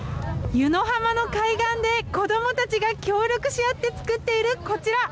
湯野浜の海岸で、子どもたちが協力し合って作っているこちら。